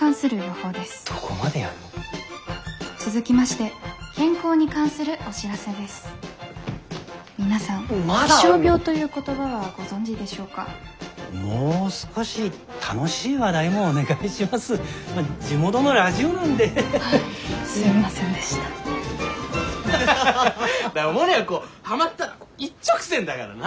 モネはこうハマったら一直線だからな。